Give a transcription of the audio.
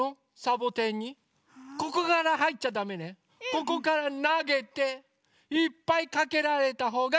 ここからなげていっぱいかけられたほうがかちね。